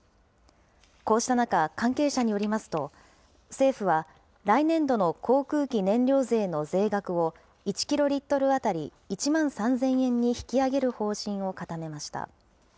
こうした中、関係者によりますと、政府は来年度の航空機燃料税の税額を、１キロリットル当たり１万３０００円に引き上げる方針を固めました。